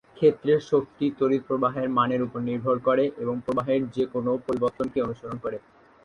ক্ষেত্রের শক্তি তড়িৎ প্রবাহের মানের উপর নির্ভর করে, এবং প্রবাহের যে কোনও পরিবর্তনকে অনুসরণ করে।